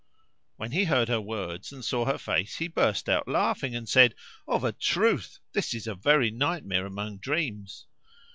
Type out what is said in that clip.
When he heard her words and saw her face he burst out laughing and said, "Of a truth this is a very nightmare among dreams!"